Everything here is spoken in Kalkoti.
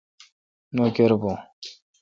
نوکر بھون۔